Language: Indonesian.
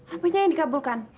apanya yang dikabulkan